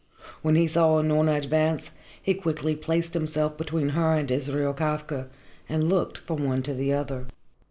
When he saw Unorna advance, he quickly placed himself between her and Israel Kafka, and looked from one to the other.